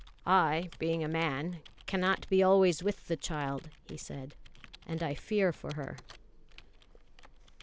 "I, being a man, cannot be always with the child," he said, "and I fear for her."